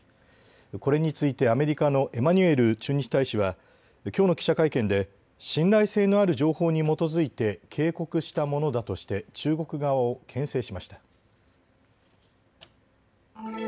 これについてアメリカのエマニュエル駐日大使はきょうの記者会見で信頼性のある情報に基づいて警告したものだとして中国側をけん制しました。